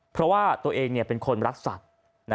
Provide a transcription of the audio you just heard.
เพราะว่าตัวเองเนี่ยเป็นคนรักษัตริย์